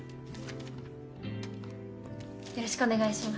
よろしくお願いします！